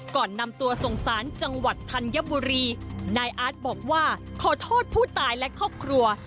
ก่อนนำตัวส่งสารจังหวัดธัญบุรีนายอาร์ตบอกว่าขอโทษผู้ตายและครอบครัว